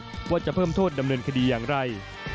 กฎหมายลูกว่าจะเพิ่มโทษดำเนินคดีอย่างไร